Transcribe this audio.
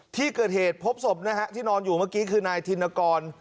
ที่เกิดเหตุพบศพนะฮะที่นอนอยู่เมื่อกี้คือนายธินกร